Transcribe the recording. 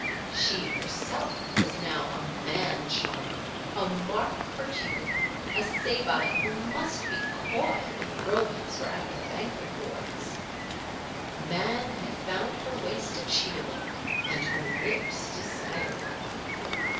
She herself was now a man charmer, a mark for Cupid, a Sabine who must be coy when the Romans were at their banquet boards. Man had found her waist achievable and her lips desirable.